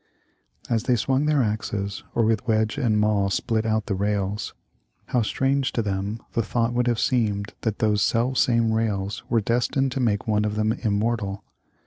As they swung their axes, or with wedge and maul split out the rails, how strange to them the thought would have seemed that those self same rails were destined to make one of them immortal.